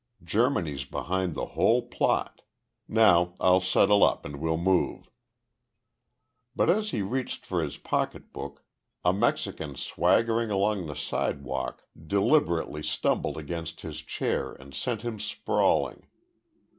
Germany's behind the whole plot. Now I'll settle up and we'll move." But as he reached for his pocketbook a Mexican swaggering along the sidewalk deliberately stumbled against his chair and sent him sprawling.